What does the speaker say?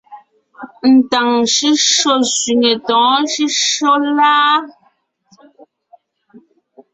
Ntàŋ shʉ́shyó sẅiŋe tɔ̌ɔn shʉ́shyó láa ?